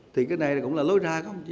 thì cái này cũng là lối ra không chí